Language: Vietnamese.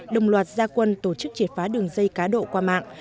đồng loạt gia quân tổ chức triệt phá đường dây cá độ qua mạng